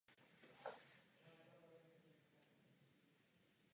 V malém horském městečku dojde k tragédii.